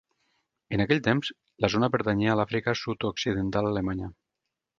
En aquell temps la zona pertanyia a l'Àfrica Sud-occidental Alemanya.